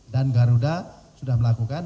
dan garuda sudah melakukan